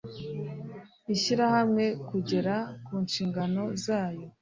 ishyirahamwe kugera ku nshingano za yo